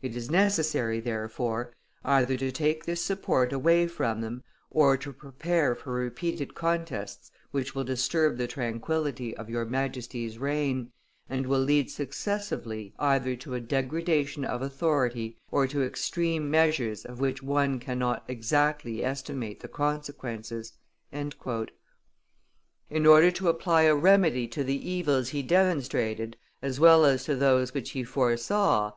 It is necessary, therefore, either to take this support away from them, or to prepare for repeated contests which will disturb the tranquillity of your Majesty's reign, and will lead successively either to a degradation of authority or to extreme measures of which one cannot exactly estimate the consequences." In order to apply a remedy to the evils he demonstrated as well as to those which he foresaw, M.